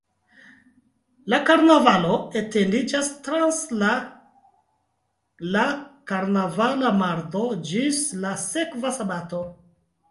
La karnavalo etendiĝas trans la la karnavala mardo ĝis la sekva "sabato".